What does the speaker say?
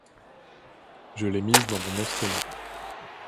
Je l’ai mise dans mon estomac.